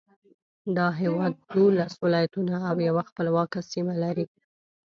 دا هېواد دولس ولایتونه او یوه خپلواکه سیمه لري.